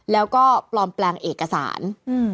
แล้วก็ปลอมแปลงเอกสาร